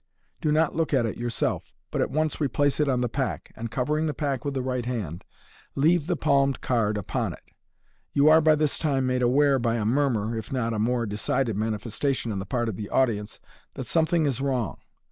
Do not look at it yourself, but at once replace it on the pack, and, covering the pack with the right hand, leave the palmed card upon it. Yon are by this time made aware by a murmur, if not by a more decided manifestation on the part of the audience, that something is wrong.